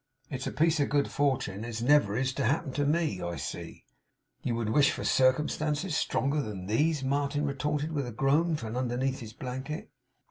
It's a piece of good fortune as never is to happen to me, I see!' 'Would you wish for circumstances stronger than these?' Martin retorted with a groan, from underneath his blanket.